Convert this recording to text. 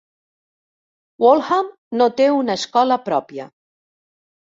Waltham no té una escola pròpia.